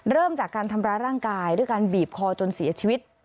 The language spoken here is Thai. เริ่มจากการทำร้ายร่างกายด้วยการบีบคอจนเสียชีวิต